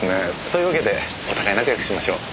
というわけでお互い仲良くしましょう。